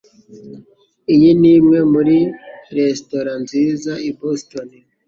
Iyi ni imwe muri resitora nziza i Boston.